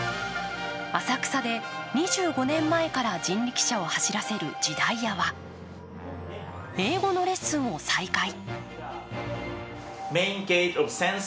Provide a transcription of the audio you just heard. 浅草で２５年前から人力車を走らせる時代屋は英語のレッスンを再開。